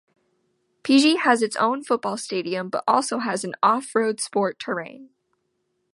Pigi has its own football stadium but also has an off-road sport terrain.